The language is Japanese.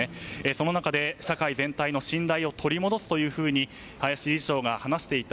その中で、社会全体の信頼を取り戻すというふうに林理事長が話していた。